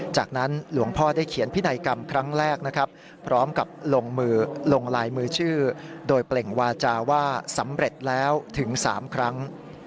จากนั้นหลวงพ่อได้เขียนพินัยกรรมครั้งแรกนะครับพร้อมกับลงมือลงลายมือชื่อโดยเปล่งวาจาว่าสำเร็จแล้วถึง๓ครั้ง